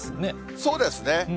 そうですね。